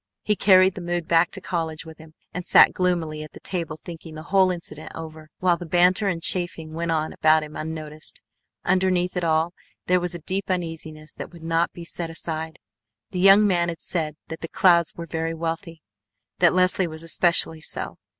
He carried the mood back to college with him, and sat gloomily at the table thinking the whole incident over, while the banter and chaffing went on about him unnoticed. Underneath it all there was a deep uneasiness that would not be set aside. The young man had said that the Clouds were very wealthy. That Leslie was especially so.